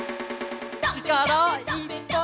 ちからいっぱい！